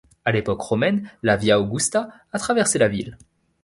À l'époque romaine, la Via Augusta a traversé la ville.